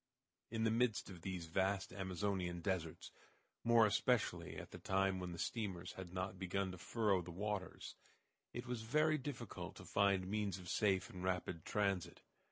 In the midst of these vast Amazonian deserts, more especially at the time when the steamers had not begun to furrow the waters, it was very difficult to find means of safe and rapid transit.